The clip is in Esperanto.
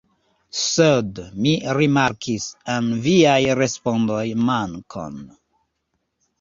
Sed mi rimarkis en viaj respondoj mankon.